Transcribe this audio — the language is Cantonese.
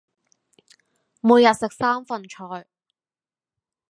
每日食三份菜